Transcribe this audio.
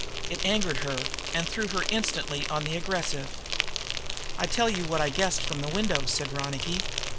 It angered her and threw her instantly on the aggressive. "I tell you what I guessed from the window," said Ronicky.